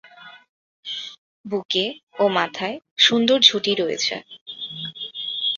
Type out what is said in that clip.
বুকে ও মাথায় সুন্দর ঝুঁটি রয়েছে।